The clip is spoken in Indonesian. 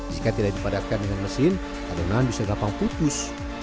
jika tidak dipadatkan dengan mesin adonan bisa gampang putus